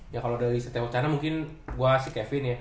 ya kalau dari setiap wacana mungkin gue si kevin ya